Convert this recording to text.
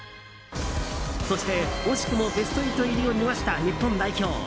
そして惜しくもベスト８入りを逃した日本代表。